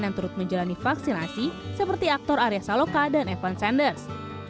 yang turut menjalani vaksinasi seperti aktor arya saloka dan evan sanders